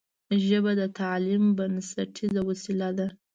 ژبه د تعلیم بنسټیزه وسیله ده